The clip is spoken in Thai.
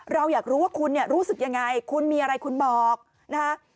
เราอยากรู้ว่าคุณเนี่ยรู้สึกยังไงคุณมีอะไรคุณบอกนะคะ